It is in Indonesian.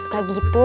nggak usah gitu